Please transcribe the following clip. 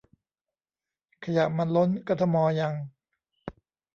ขยะมันล้น กทม ยัง